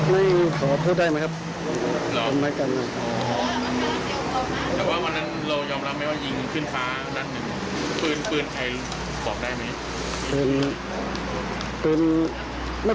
ไม่ไม่ไม่ขอพูดครับ